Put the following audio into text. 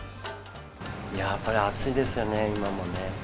やっぱり暑いですよね、今もね。